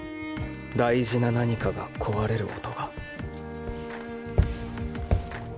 大事な何かが壊れる音が。